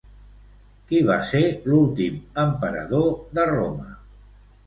Qui va ser l'últim emperador de Roma?